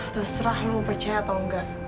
terserah lo mau percaya atau engga